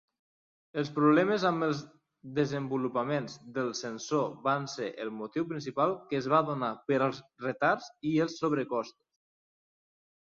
Els problemes amb els desenvolupaments del sensor van ser el motiu principal que es va donar per als retards i els sobrecosts.